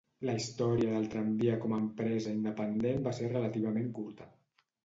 La història del tramvia com a empresa independent va ser relativament curta.